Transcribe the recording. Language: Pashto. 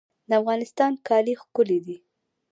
د افغانستان کالي ښکلي دي